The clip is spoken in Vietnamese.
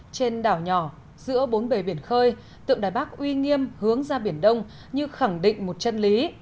trên đảo nhỏ giữa bốn bề biển khơi tượng đài bắc uy nghiêm hướng ra biển đông như khẳng định một chân lý